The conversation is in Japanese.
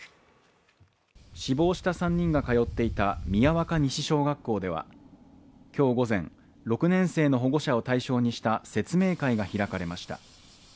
死亡した３人が通っていた宮若西小学校では今日午前、６年生の保護者を対象にした説明会が開かれました。